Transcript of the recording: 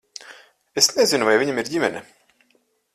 Es nezinu, vai viņam ir ģimene.